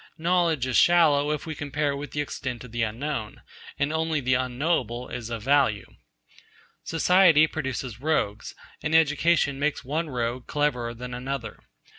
Knowledge is shallow if we compare it with the extent of the unknown, and only the unknowable is of value. Society produces rogues, and education makes one rogue cleverer than another.